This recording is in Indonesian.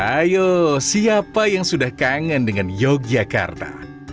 ayo siapa yang sudah kangen dengan yogyakarta